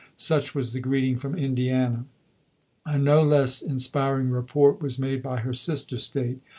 Such was the greeting from Indiana. A no less inspiring report was made by her sister State.